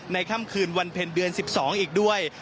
ค่ำคืนวันเพ็ญเดือน๑๒อีกด้วย